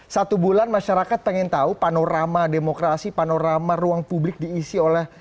satu bulan masyarakat pengen tahu panorama demokrasi panorama ruang publik diisi oleh